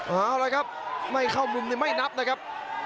เอาละครับไม่เข้ามุมนี้ไม่นับนะครับ